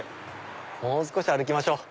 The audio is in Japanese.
もう少し歩きましょう。